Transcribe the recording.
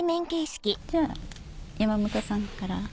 じゃあ山本さんから。